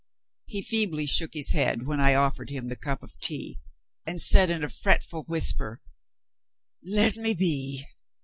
He feebly shook his head when I offered him the cup of tea, and said in a fretful whisper, "Let me be!"